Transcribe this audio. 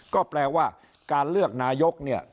ก็แปลว่าการเลือกนายกเนี่ย